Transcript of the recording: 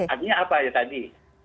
artinya apa ya tadi